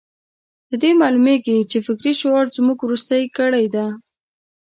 له دې معلومېږي چې فکري شعور زموږ وروستۍ کړۍ ده.